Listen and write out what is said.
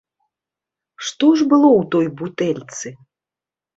Што ж было ў той бутэльцы?